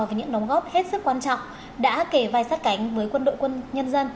với những đóng góp hết sức quan trọng đã kể vai sát cánh với quân đội quân nhân dân